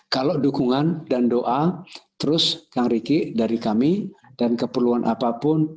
kalau dukungan dan doa terus kang ricky dari kami dan keperluan apapun